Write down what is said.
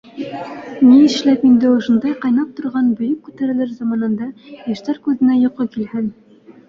Ни эшләп инде ошондай ҡайнап торған бөйөк күтәрелеш заманында йәштәр күҙенә йоҡо килһен.